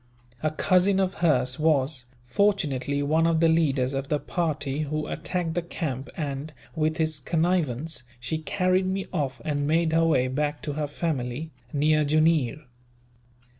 A cousin of hers was, fortunately, one of the leaders of the party who attacked the camp and, with his connivance, she carried me off and made her way back to her family, near Jooneer.